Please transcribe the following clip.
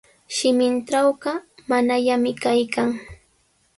"Shimintrawqa ""manallami"" kaykan."